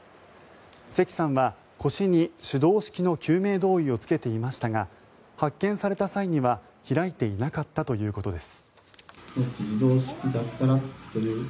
関さんは、腰に手動式の救命胴衣を着けていましたが発見された際には開いていなかったということです。